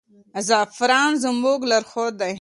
زعفران زموږ لارښود دی.